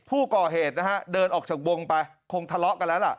ผู้ก่อเหตุนะฮะเดินออกจากวงไปคงทะเลาะกันแล้วล่ะ